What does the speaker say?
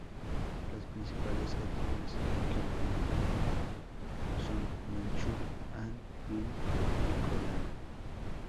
Las principales etnias que la habitan son Manchu, Han, Hui y coreana.